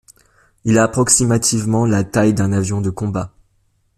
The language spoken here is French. Il a approximativement la taille d'un avion de combat.